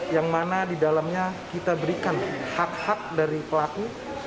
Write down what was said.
yang mana di dalamnya kita berikan hak hak dari pelaku